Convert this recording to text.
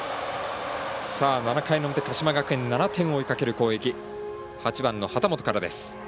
７回の表、鹿島学園７点を追いかける攻撃８番の畑本からです。